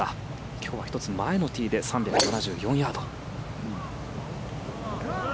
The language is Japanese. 今日は１つ前のティーで３７４ヤード。